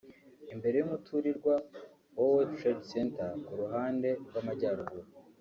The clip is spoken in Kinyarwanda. Imbere y’umuturirwa wa World Trade Center ku ruhande rw’amajyaruguru